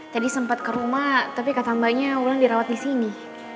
tadi sempat ke rumah tapi katamannya wulan dirawat di sini